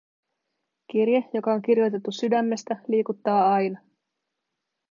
Kirje, joka on kirjoitettu sydämestä, liikuttaa aina.